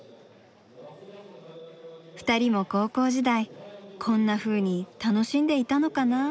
２人も高校時代こんなふうに楽しんでいたのかなぁ。